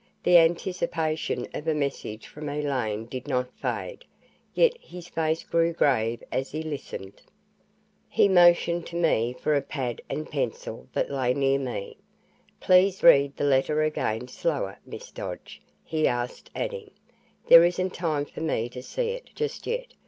The anticipation of a message from Elaine did not fade, yet his face grew grave as he listened. He motioned to me for a pad and pencil that lay near me. "Please read the letter again, slower, Miss Dodge," he asked, adding, "There isn't time for me to see it just yet.